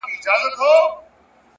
صادق زړه کمې پښېمانۍ لري,